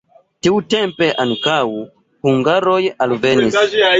Tiutempe ankaŭ hungaroj alvenis.